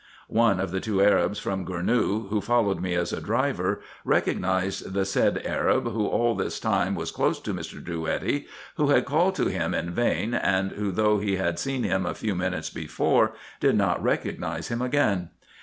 One of the two Arabs from Gournou, who followed me as a driver, recognised the said Arab, who all this time was close to Mr. Drouetti, who had called to him in vain, and who, though he had seen him a few minutes before, did not recognise him again.